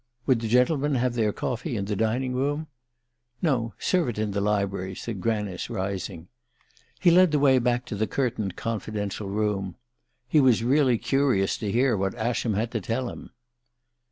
Would the gentlemen have their coffee in the dining room? "No serve it in the library," said Granice, rising. He led the way back to the curtained confidential room. He was really curious to hear what Ascham had to tell him.